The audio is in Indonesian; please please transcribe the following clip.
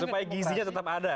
supaya gizinya tetap ada